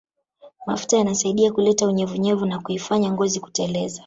Mafuta yanasaidia kuleta unyevunyevu na kuifanya ngozi kuteleza